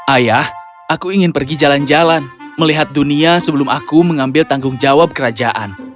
ayah aku ingin pergi jalan jalan melihat dunia sebelum aku mengambil tanggung jawab kerajaan